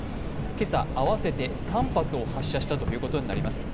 今朝、合わせて３発を発射したということになります。